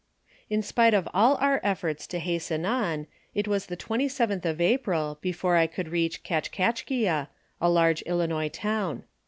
In spite of all our efforts to hasten on, it was the 27th of April, before I could reach Kachkachkia, a large Ilinois town.